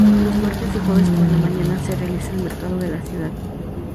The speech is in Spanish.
Los martes y jueves por la mañana se realiza el mercado de la ciudad.